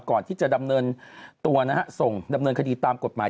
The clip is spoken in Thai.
ก่อนที่จะดำเนินตัวนะฮะส่งดำเนินคดีตามกฎหมาย